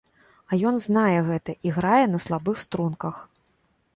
А ён знае гэта і грае на слабых струнках.